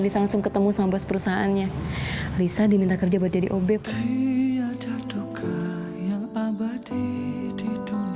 bisa langsung ketemu sama bos perusahaannya bisa diminta kerja buat jadi obat